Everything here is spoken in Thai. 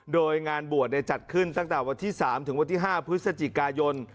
โดยงานบวชจัดขึ้นตั้งแต่วันที่๓ถึงวันที่๕พฤศจิกายน